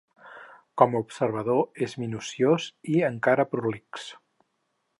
Com a observador és minuciós i encara prolix.